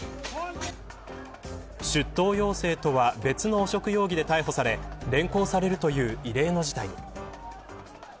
出頭要請とは別の汚職容疑で逮捕され連行されるという異例の事態に。